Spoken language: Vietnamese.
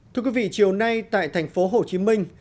thưa quý vị chiều nay tại thành phố hồ chí minh